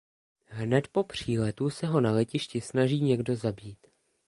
Hned po příletu se ho na letišti snaží někdo zabít.